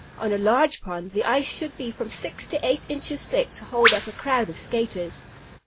On a large pond the ice should be from six to eight inches thick to hold up a crowd of skaters."